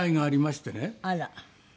あら。